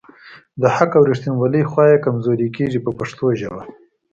د حق او ریښتیولۍ خوا یې کمزورې کیږي په پښتو ژبه.